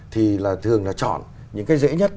thì là thường là chọn những cái dễ nhất